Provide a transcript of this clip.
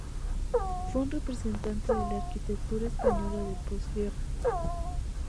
Fue un representante de la arquitectura española de posguerra.